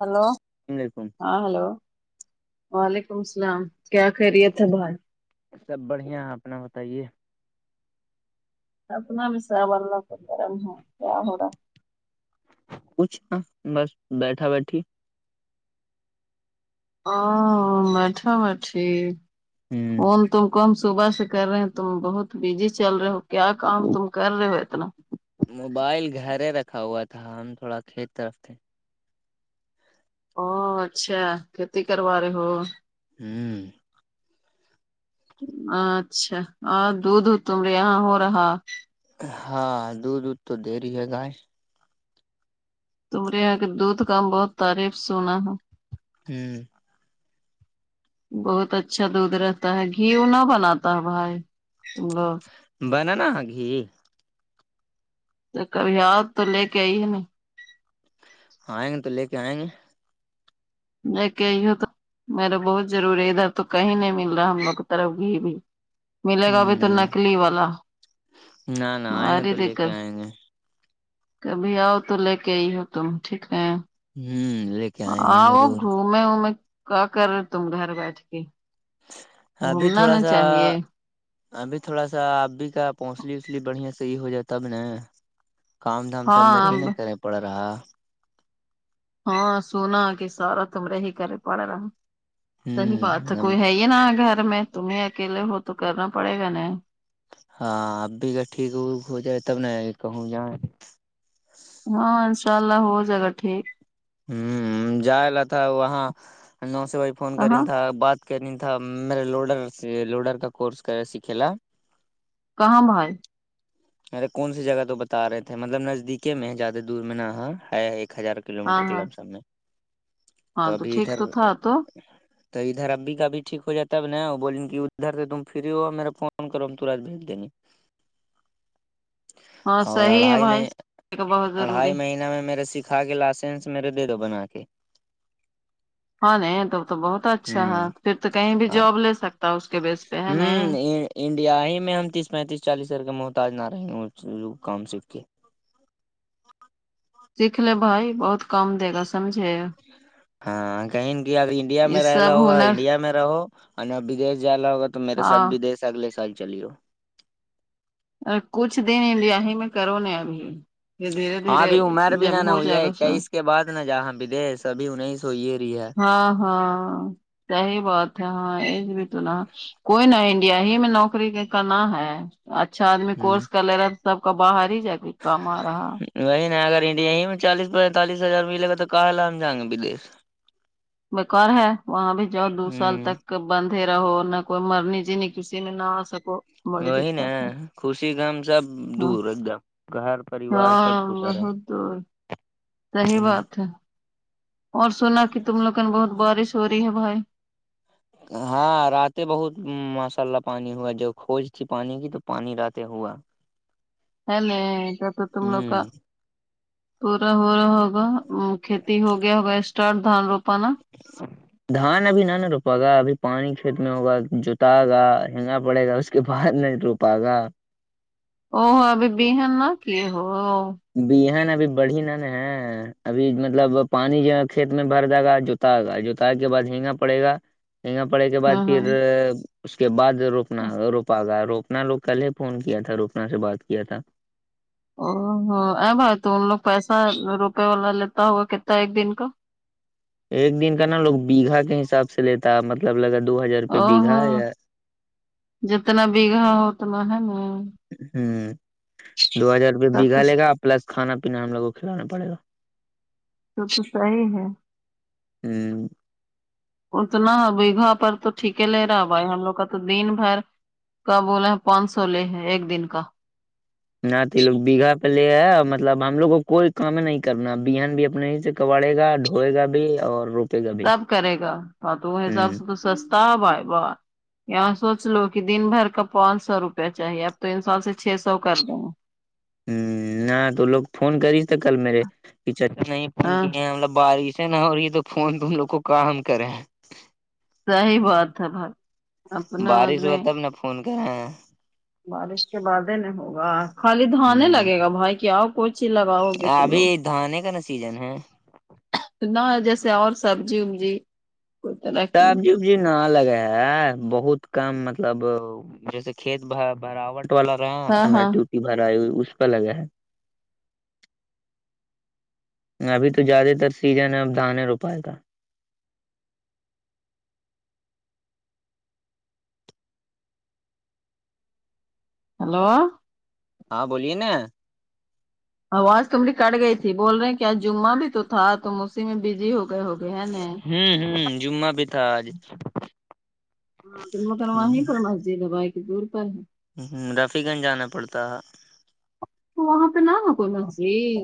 hello لیکم ہاں hello وعلیکم السلام کیا خیریت ہے بھائی سب بڑھیا ہے اپنا بتائیے اپنا بھی سب اللہ کا گرم ہے کیا ہو رہا کچھ نہ بس بیٹھا بیٹھی آ بیٹھا بٹھی ہوں کال تم کو ہم صبح سے کر رہے تم بہت بزی چل رہے ہو کیا کام تم کر رہے ہو اتنا موبائل گھرے رکھا ہوا تھا ہم تھوڑا کھیت طرف تھے او اچھا کھیتی کروا رہے ہو ہمم اچھا اور دودھ تمرے یہاں ہو رہا ہاں دودھ وود تو دے رہی ہے گائے تمرے یہاں کہ دودھ کا ہم بہت تعریف سونا ہے ہمم بہت اچھا دودھ رہتا ہے گھیو نہ بناتا ہے بھائی تم لوگ بنانا گھی تو کبھی اؤ تو لے کے آئی یے ہمیں آئیں گے تو لے کے آئیں گے لیکے آئے ہو تو میرے بہت ضروری ہے ادھر تو کہیں نہیں مل رہا ہم لوگ کی طرف گھی بھی ملے گا بھی تو ہ نکلی والا نہ نہ آئیں گے باری تو لے کے دقت آئیں گے کبھی آؤ تو لے کے آئی ہو تم ٹھیک ہے ہ لے کے آئیں گے آؤ ضرور گھوم مے ومےکیا کر تم گھر بیٹھ کے ابھی گھومنا تھوڑا نا سا چاہیے ابھی تھوڑا سا اب بھی کا پہنچلی اسھلی بڑھیا صحیح ہو جا تاب نا کام دھام سب میرے ہاں ہی نا کرنے پڑا رہا ہاں سونا کی سارا تم رہی کر پڑ رہا ہ صحیح بات اب کوئی ہے ہی یے نا گھر میں تمہیں اکیل ہو تو کرنا پڑے گا نا ہاں اب بھی گھر ٹھیک وک ہو جائے تب نہ کہوں نا ہاں ان شاء اللہ ہو جائے گا ٹھیک ہمم جائے تھا وہاں نو سے فون کر رہی کہاں تھا بات کرنا تھا میرا لوڈر لوڈر کا کورس سکھے لا کہاں بھائی اری کون سی جگہ تو بتا رہے تھے مطلب نزدیکی میں زیادہ دور میں نہا ہے ایک ہزار کلو ہاں میٹر کے ہاں لام سامنے ہاں تو ٹھیک تو تھا تو تو ادھر ابھی کا ابھی ٹھیک ہو جا ہے نا بول رہی ادھر سے تم فری ہو میرا فون کرو تورنت بھیج دین گے ہاں اور صحیح ہے اڑھائی بھائی میں کا بہت ضروری اڑھائی مہینہ میں میرے سکھا کے لائسنس میرے دے دو بنا کے ہاں نہیں تب تو بہت اچھا ہے ہ پھر تو کہیں بھی ہاں جاب لے سکتا اس کے بیس پے ہے نا ہوں انڈیا ہی میں ہم تیس پینتیس چالیس ہزار کا محتاج نہ رہے کام سیکھ کے سیکھ لے بھائی بہت کم دے گا سمجھے ہاں کہیں انڈیا اگر انڈیا یہ میں رہ نا سب ہوگا ہنر انڈیا میں رہو بدیش جانا ہوگا تو میرے ساتھ ہاں بدش اگلے سال چلی ہو ارے کچھ دن انڈیا ہی میں کرون نا ابھی یہ دھیرے ہاں دھیرے ابھی عمر بھی نہ جب نہ ہو ہوئی جائے ہے گا سب اکیس کے بعد نہ جاے بدیش ابھی انیس سویے ہوئی ہی رہی ہے ہاں ہاں یہی بات ہے ہاں ای بھی تونا کوئی نہ انڈیا ہی میں نوکری کانا ہے اچھا اچھا آدمی ہ کورس کر لے رہا ہے تو سب کا باہر ہی جا کے کام آ رہا وہی نہیں اگر انڈیا ہی میں چالیس پینتالس ہزار ملے گا تو کہے ہم جائیں گے بدیش بیکار ہے وہاں بھی جاؤ دو سال ہوں تک کب اندھرا ہو نہ کوئی مرنے جینے کسی میں نہ آ سکو بڑی وہی نا دقت ہے خوشی غم سب ہاں دور ایک دم گھر پریوار سب ہاں چھوٹا رہے بہت دور صحیح بات ہے اور سنا کی تم لوگن بہت بارش ہو رہی ہے بھائی ہاں رات بہت ماشاء اللہ پانی ہوا جب کھوج تھی پانی کی تو پانی رات ہوا ہے نہیں کیا تو گھر پے تم لوگ کا ہوں پورا ہو رہا ہوگا کھیتی ہو گیا ہوگا اسٹارٹ دھان روپاانا دھان ابھی نہ نہ روپ گا ابھی پانی کھیت میں ہوگا جوتا گا ہگا پڑے گا اس کے بعد نہیں روپ پاگا او ہو ابھی بہن نہ کی ہو بہن ابھی بڑھی نا نا ہے ابھی مطلب پانی جو ہے کھیت میں بھر جائے گا جو تا گا جوتا کے باد جھینگا پڑے گا گا پڑے کے بعد ہاں پھر ہاں اس کے بعد روپنا روپا گا روپ نا لوگ کل ہی فون کیا تھا روکنا سے بات کیا تھا او ہو بھائی تو ان لوگ پیسہ روپے والا لیتا ہوگا کتنا ایک دن کا ایک دن کا نا لوگ بیگھا کے حساب سے لیتا مطلب لگا دو ہزار روپی بیگھا یا جبتنا بیگھا ہو اتنا ہے نا ہمم دو ہزار روپئے تب بگھا تو لے گا پلس کھانا پینا ہم لوگ کو کھلانا پڑے گا تب تو صحیح ہے ہ اتنا بیگھا پر تو ٹھیک لے رہا بھائی ہم لوگ کا تو دن بھر کا بولے ہیں پانچ سو لے ہے ایک دن کا نہ تو یے لو بیگھا پہ لے ہے مطلب ہم لوگ کو کوئی کام نہیں کرنا بہان بھی اپنا ہی ہے کوڑے گا ڈھوئے گا بھی اور رک سب کرے گا تو وہ حساب سے ہ تو سستا ہے بھائی بہت یہاں سوچ لو کی دن بھر کا پانچ سو روپیہ چاہیے اب تو ان سال سے چھ سو کر دیں گے ہمم نہ تو لوگ فون کری تھا کل میرے کی چچا نہیں فون ہاں کیے ہیں مطلب بارش نا اور یے تو فون تم لوگ کو کا ہم کریں ہے صحیح بات ہے بھائی اپنا بارش ہوا آدمی تب نا فون کر رہے ہیں بارش کے بعد ہی نہیں ہوگا خالی دھاننے ہ لگے گا بھائی کیا اب پوچی لگاو گے تم لوگ ابھی دھانے کا نا سیزن ہے نا جیسے اور سبجی وبجی [unintelligible] جی نہ لگے ہے بہت کم مطلب جیسے کھیت بھا براوٹ ہاں ہاں [unintelligible] اس کا لگا ہے ابھی تو زیادہ تر سیزن ہے اب دھانے رو پیا تھا ہیلو ہاں بولیے نا آواز تماری کٹ گئی تھی بول رہے کیا جمعہ بھی تو تھا تم اسی میں بزی ہو گئے ہو گے ہے نا ہوں ہوں جمعہ بھی تھا آج ہاں تو مگر وہیں پر مسجد ہے بھائی کی دور پر رفی گنج جانا پڑتا تو وہاں پے نہ ہے کون مسجد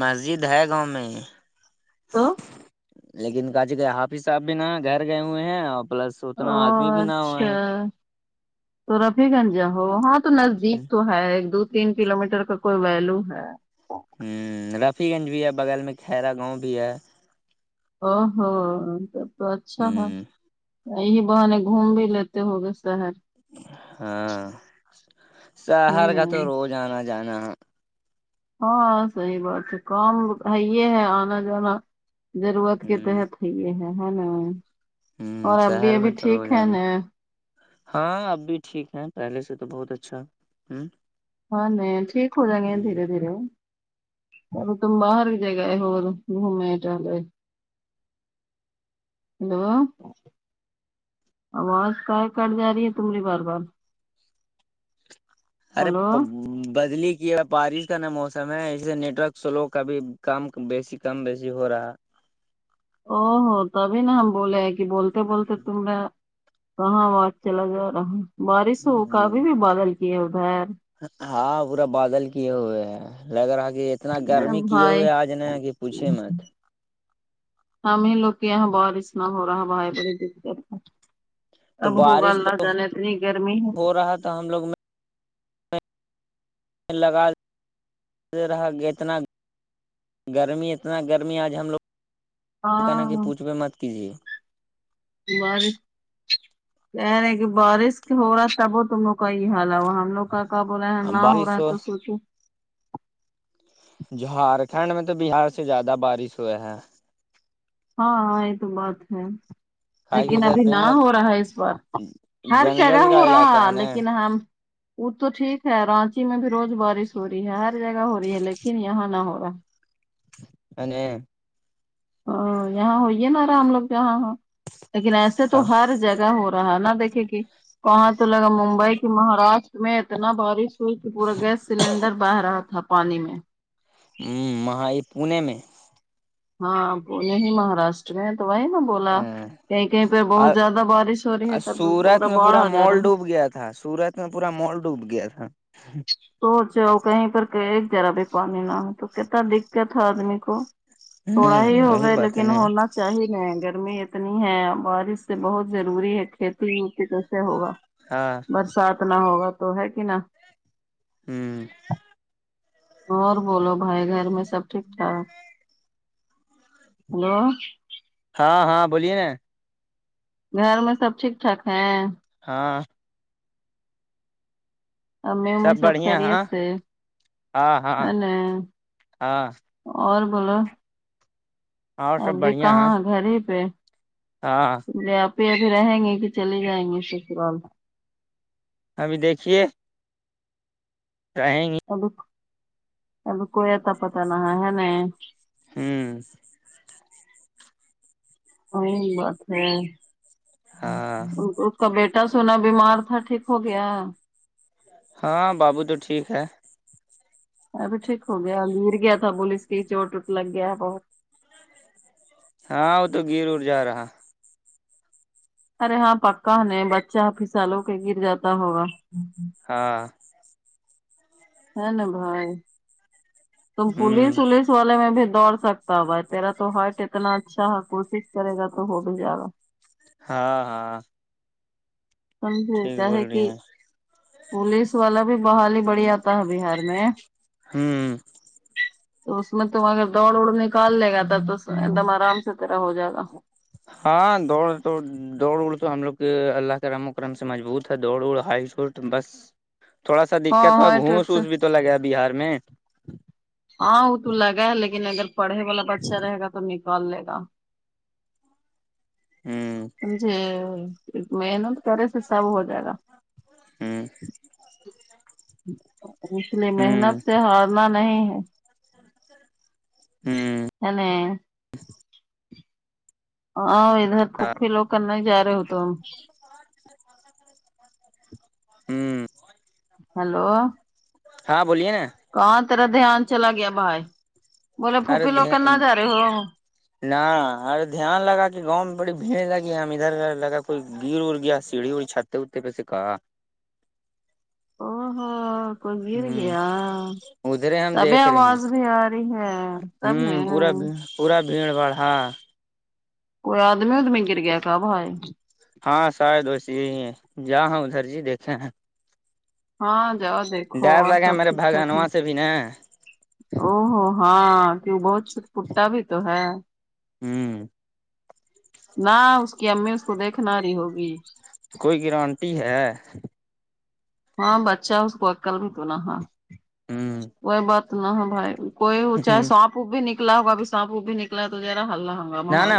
مسجد ہے گاوں میں تو لیکن کا جی کا حافظ صاحب بھی نہ گھر گئے ہوئے ہیں اور پلس اتنا او ادمی بھی نہ ہوئے اچھا ہیں تو رفی گنج جا ہو ہاں تو نزدیک تو ہے ایک دو تین کلو میٹر کا کوئی ویلو ہے رفی گنج بھی ہے بغل میں خرا گاوں بھی ہے او ہو تب تو ہ اچھا ہے یہی بہانے گھوم بھی لیتے ہو گے شہر ہاں ہے شہر نا کا تو روز انا جانا ہے ہاں صحیح بات ہے کام ہے یے ہے آنا جانا ضرورت کے ہوں تحت ہے یے ہے ہے نا ہوں اور ابھی شہر ابھی میں تو ٹھیک ہے روزانہ نا ہاں اب بھی ٹھیک ہے پہلے سے تو بہت اچھا ہمم ہاں نہیں ٹھیک ہو جاے گے دھیرے دھیرے ارے تم باہر جگہ [unintelligible] گھومنے ہیلو اواز کاہے کٹ جا رہی ہے تماری بار بار ارے ہلو پا بدلی کیا بارش کا نا موسم ہے اسے نیٹ ورک سلو کا بھی کم بیسی کم بیسی ہو رہا او ہو تبھی نا ہم بولے ہیں کی بولتے بولتے تم نے کہاں اواز چلا جا رہا ہے بارش ہو کا ابھی بھی بادل کی ہے ادھر ہاں پورا بادل کیے ہوئے ہے لگ رہا کی اتنا میرے گرمی کی ہو بھائی ہے آج نا کی پوچھیے مت ہم ہی لوگ کے یہاں بارش نا ہورہا بھائی بڑی دیکت ہیں تو کب ہوگا بارش تو اللہ جانے اتنی گرمی ہے ہو رہا تھا ہم لوگ میں لگا رہا اتنا گرمی اتنا گرمی آج ہم لوگ کی ہاں پوچھ بھی مت کیجیے بارش کہہ رہے کہ بارش ہو رہا تب وہ تم لوگ کا یے حال ہم لوگ کا کیا بولے نہ ہو رہا ہے تو سوچو جھارکھنڈ میں تو بہار سے زیادہ بارش ہوئے ہیں ہاں ہاں یے تو بات ہے کا کہ لیکن ادھر ابھی نہ پیڑ ہو رہا ہے اس بار ہر جگہ جنگل ہو کا علاقہ رہا ہے لیکن ہم وہ تو ٹھیک ہے رانچی میں بھی روز بارش ہو رہی ہے ہر جگہ ہو رہی ہے لیکن یہاں نہ ہو رہا انے ہاں یہاں ہوئیے نارا ہم لوگ یہاں لیکن ایسے تو ہر جگہ ہو رہا ہے نا دیکھے کی کہاں تو لگا ممبئی کی مہاراشٹر میں اتنا بارش ہوی کی پورا گیس سلینڈر بہے رہا تھا پانی میں ہمم مہا یے پونے میں ہاں پونے ہی مہاراشٹر میں ہے تو وہی نا بولا کہیں کہیں پے بہت اور زیادہ بارش ہو رہی ہے تب ہی پورا باڑ آجا راہا ہاں سورت میں پورا مال ڈوب گیا تھا سوچو کہیں پر ایک ذرا بھی پانی نہ ہو تو کتنا دقت ہے آدمی کو تھوڑا ہی ہوں ہو وہی گئے بات ہے لیکن نا ہونا چاہیے نہیں گرمی اتنی ہے بارش سے بہت ضروری ہے کھیتی وتی کیسے ہوگا ہاں برسات نہ ہوگا تو ہے کی نا ہمم اور بولو بھائی گھر میں سب ٹھیک ٹھاک ہلو ہاں ہاں بولیے نا گھر میں سب ٹھیک ٹھاک ہے ہاں امی ومی سب بڑھیا خریت ہاں ہے ہاں ہے ہاں نا ہاں اور بولو اور سب ابھی بڑھیا کہاں ہاں ہے گھر ہی پے ہاں یہا پے ابھی رہیں گی کی چلے جائیں گے سسرال کو ابھی دیکھیے رہیں گے آپ کو آپ کو یہ ٹو پتہ نہ ہے نہیں ہوں وہی بات ہے ہاں آپ کا بیٹا سنا بیمار تھا ٹھیک ہو گیا ہاں بابو تو ٹھیک ہے ابھی ٹھیک ہو گیا گر گیا تھا بولے کی چوٹ وٹ لگ گیا بہت ہاں وہ تو گیر ور جا رہا ارے ہاں پکا نہیں بچہ پھسالو کے گر جاتا ہوگا ہاں ہے نا بھائی تم ہوں پولیس ولیس والے میں بھی دوڑ سک تا ہے تیرا تو ہائٹ اتنا اچھا ہے کوشش کرے گا تو ہو بھی جائے گا ہاں ہاں ٹھیک سمجھےکیا بول ہے رہی کہ ہیں پولیس والا بھی بحالی بڑی آتا ہے بہار میں ہوں تو اس میں تم اگر دوڑ ووڑ نکال لے گا تب تو ایک دم آرام سے تیرا ہو جائے گا ہاں دوڑ تو دوڑ ووڑ تو ہم لوگ کے اللہ کے رحم و کرم سے مضبوط ہے دوڑ ووڑ ہایٹ وسٹ بس تھوڑا سا ہاں دقت ہو ہاں ٹیٹ گھوس سے وس بھی تو لگا ہے بہار میں ہاں وہ تو لگا ہے لیکن اگر پڑھے والا بچہ رہے گا تو نکال لے گا ہوں جی محنت کرے سے سب ہو جائے گا ہوں اس نے محنت ہوں سے ہارنا نہیں ہے ہوں یعنی اں ادھر پھوپی لوگ کن نہیں جا رہے ہو تم ہوں ہلو ہاں بولیے کہاں تیرا دھیان چلا گیا بھائی بولے ارے پھوپھی لوگ کن نہ جا رہے ہو نہ ارے دھیان لگا کہ گاؤں میں بڑی بھیڑ لگی ہم ادھر ادھر لگا کوئی گر ار گیا سیڑھی وڑھی چھت اتے آٹے پیسے کہاں او ہو کوئی گر ہ گیا ادھرے ہم تبھی دیکھ رہے ہیں آواز بھی آ تی ہے تب نے ہوں پورا پورا بھیڑ بھاڑ ہاں کوئی آدمی وادمی گر گیا کیا بھائی ہاں شاید ویسے ہی ہے جا ہاں ادھر جی دیکھے ہیں ہاں جاؤ دیکھو ڈر اور لگا سب میرے ٹھیک ٹھاک ہیں بھگانواں سے بھی نا او ہو ہاں کے وہ بہت چوٹ پٹا بھی تو ہے ہوں نہ اس کی امی اس کو دیکھ نہ رہی ہوگی کوئی گرانٹی ہے ہاں بچہ اس کو عقل بھی تو نہ ہے ہوں کوئی بات نہ ہے بھائی کوئی چاہے سانپ اوپ بھی نکلا ہوگا بھی سانپ او بھی نکلا ہے تو ذرا ہللہ ہو نہ نہ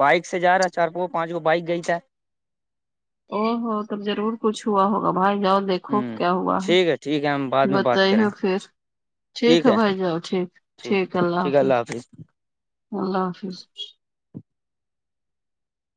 بائک سے جا رہا ہے چار کو پانچ گو بائک گئی تھا او ہو تب ضرور کچھ ہوا ہوگا بھائی جان دیکھو ہ کیا ہوا ہے ٹھیک ٹھیک ہے ہم بعد میں بات بتائی کریں پھر ٹھیک ہے بھائی جاؤ ٹھیک ٹھیک ہے اللہ حافظ اللہ حافظ